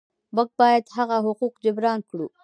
موږ باید هغه حقوق جبران کړو.